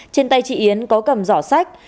trên tay chị yến có cầm giỏ sách